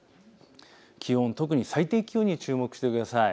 気温、特に最低気温に注目してください。